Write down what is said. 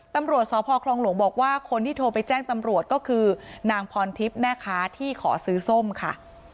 ตำรวจสพคลองหลวงบอกว่าคนที่โทรไปแจ้งตำรวจก็คือนางพรทิพย์แม่ค้าที่ขอซื้อส้มค่ะ